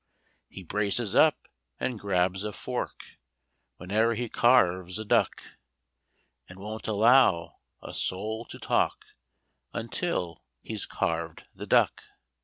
He braces up and grabs a fork Whene'er he carves a duck And won't allow a soul to talk Until he's carved the duck.